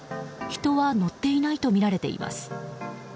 人は乗っていないとみられています。